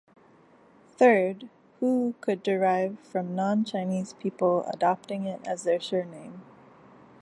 Third, Hu could derive from non-Chinese people adopting it as their surname.